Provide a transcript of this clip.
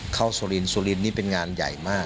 สุรินสุรินนี่เป็นงานใหญ่มาก